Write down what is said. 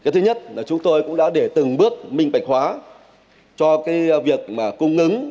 thứ nhất là chúng tôi cũng đã để từng bước minh bạch hóa cho cái việc mà cung ứng